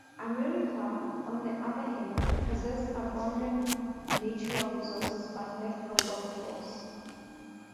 America, on the other hand, possessed abundant natural resources but lacked a work force.